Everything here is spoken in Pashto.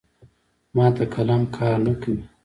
مات قلم کار نه کوي.